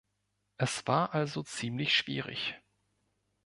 Es war also ziemlich schwierig.